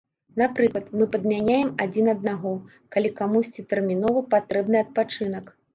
Напрыклад, мы падмяняем адзін аднаго, калі камусьці тэрмінова патрэбны адпачынак.